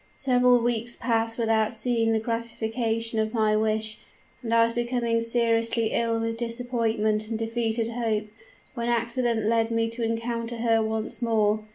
Several weeks passed without seeing the gratification of my wish; and I was becoming seriously ill with disappointment and defeated hope, when accident led me to encounter her once more.